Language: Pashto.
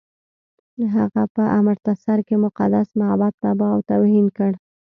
هغه په امرتسر کې مقدس معبد تباه او توهین کړ.